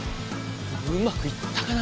うまくいったかな？